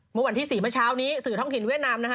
มันพอวันที่๔เมื่อเช้านี้สถานทินเวียดนามนะฮะ